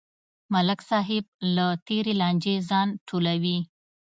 ملک صاحب له تېرې لانجې ځان ټولوي.